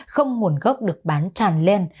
không nguồn gốc được bán tràn lên